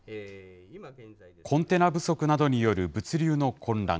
コンテナ不足などによる物流の混乱。